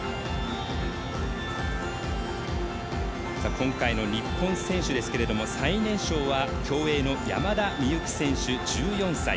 今回の日本選手ですけども最年少は競泳の山田美幸選手、１４歳。